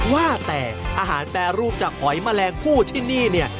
ว่าแต่อาหารแปรรูปจากหอยแมลงผู้ที่นี่เนี่ย